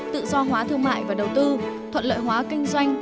tự do hóa thương mại và đầu tư thuận lợi hóa kinh doanh